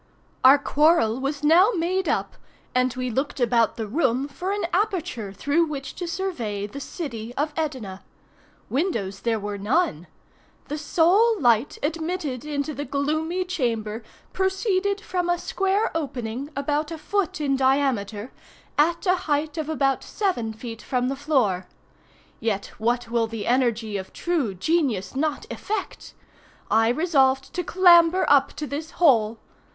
Our quarrel was now made up, and we looked about the room for an aperture through which to survey the city of Edina. Windows there were none. The sole light admitted into the gloomy chamber proceeded from a square opening, about a foot in diameter, at a height of about seven feet from the floor. Yet what will the energy of true genius not effect? I resolved to clamber up to this hole.